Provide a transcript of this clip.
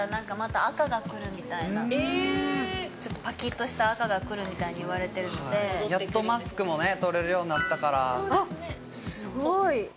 ぜひぜひちょっとパキッとした赤がくるみたいにいわれてるのでやっとマスクも取れるようになったからあっすごい！